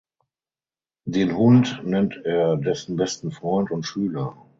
Den Hund nennt er dessen besten Freund und Schüler.